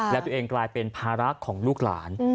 แล้วตัวเองกลายเป็นภาระของลูกหลาน